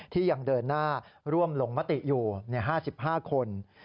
ที่ยังเดินหน้าร่วมลงมติอยู่๕๕คน